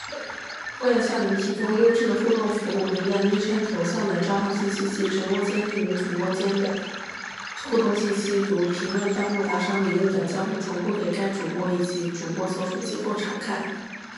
为了向您提供优质的互动服务，您的昵称、头像等账号信息及直播间内与主播间的互动信息（如评论、弹幕、打赏、礼物等）将会同步给该主播以及主播所属机构查看。